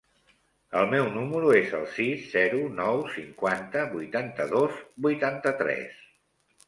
El meu número es el sis, zero, nou, cinquanta, vuitanta-dos, vuitanta-tres.